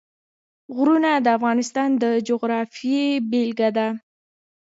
غرونه د افغانستان د جغرافیې بېلګه ده.